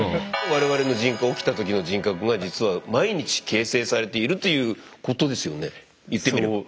我々の人格起きた時の人格が実は毎日形成されているということですよね言ってみれば。